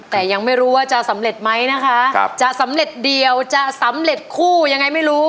แต่ยังไม่รู้ว่าจะสำเร็จไหมนะคะจะสำเร็จเดียวจะสำเร็จคู่ยังไงไม่รู้